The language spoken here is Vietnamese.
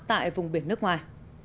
tại vùng biển nước ngoài